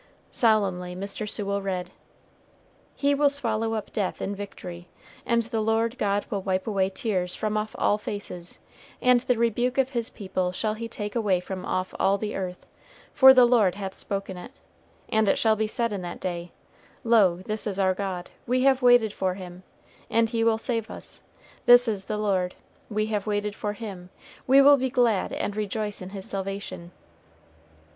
Solemnly Mr. Sewell read, "He will swallow up death in victory; and the Lord God will wipe away tears from off all faces; and the rebuke of his people shall he take away from off all the earth; for the Lord hath spoken it. And it shall be said in that day, Lo this is our God; we have waited for him, and he will save us; this is the Lord; we have waited for him, we will be glad and rejoice in his salvation."